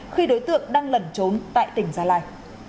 khi đối tượng đang lẩn trốn tại tỉnh gia lai